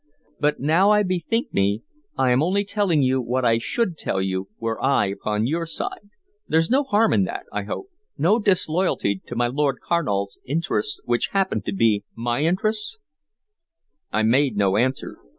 But now I bethink me, I am only telling you what I should tell you were I upon your side. There's no harm in that, I hope, no disloyalty to my Lord Carnal's interests which happen to be my interests?" I made no answer.